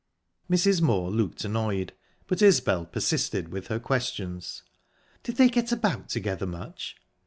Mrs. Moor looked annoyed, but Isbel persisted with her questions. "Did they get about together much?"